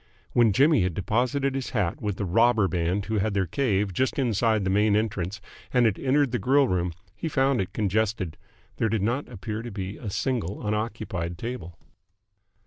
When Jimmy had deposited his hat with the robber band who had their cave just inside the main entrance and had entered the grill room, he found it congested. There did not appear to be a single unoccupied table.